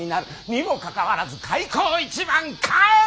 にもかかわらず開口一番帰れ！